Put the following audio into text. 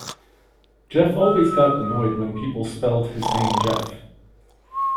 Geoff always got annoyed when people spelt his name Jeff.